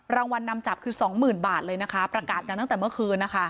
รางวัลนำจับคือสองหมื่นบาทเลยนะคะประกาศกันตั้งแต่เมื่อคืนนะคะ